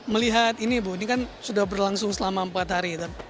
melihat ini bu ini kan sudah berlangsung selama empat hari